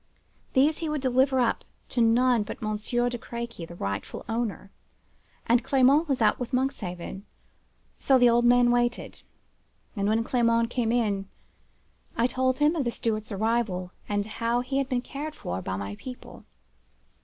These he would deliver up to none but Monsieur de Crequy, the rightful owner; and Clement was out with Monkshaven, so the old man waited; and when Clement came in, I told him of the steward's arrival, and how he had been cared for by my people.